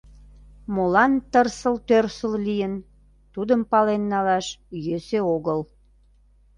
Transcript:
Молан тырсыл-тӧрсыл лийын, тудым пален налаш йӧсӧ огыл.